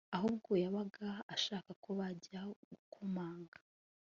ahubwo yabaga ashaka ko bajya gukomanga